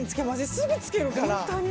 すぐつけるから。